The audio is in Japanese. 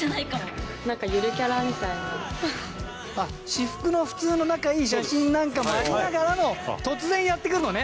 私服の普通の仲いい写真なんかもありながらも突然やってくるのね。